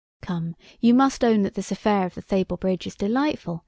Come, you must own that this affair of the Thabor Bridge is delightful!